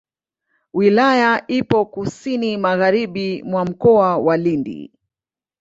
Wilaya ipo kusini magharibi mwa Mkoa wa Lindi.